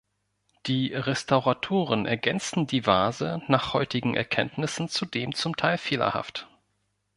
Die Restauratoren ergänzten die Vase nach heutigen Erkenntnissen zudem zum Teil fehlerhaft.